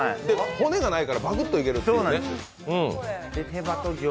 骨がないからパクっといけるっていうね。